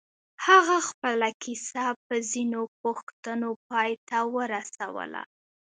هغه خپله کيسه په ځينو پوښتنو پای ته ورسوله.